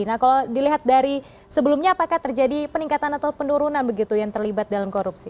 nah kalau dilihat dari sebelumnya apakah terjadi peningkatan atau penurunan begitu yang terlibat dalam korupsi